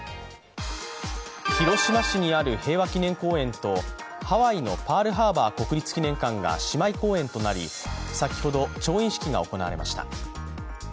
広島市にある平和記念公園とハワイのパールハーバー国立記念公園が姉妹公園となり、先ほど調印式が行われました。